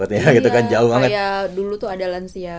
iya dulu tuh ada lansia